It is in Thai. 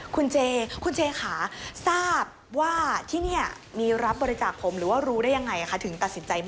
คุณเจคุณเจคะที่นี่ค่ะรู้เรารับบริจาคภพก็ได้ยังไงหรือปล่อยไหม